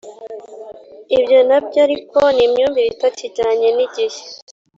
ibyo na byo ariko ni imyumvire itakijyanye n’igihe